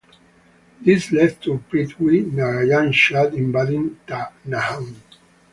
This led to Prithvi Narayan Shah invading Tanahun.